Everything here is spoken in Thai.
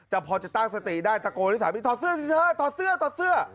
แต่พอจะตั้งสติได้ตะโกนให้สามีถอดเสื้อสิเธอถอดเสื้อถอดเสื้อ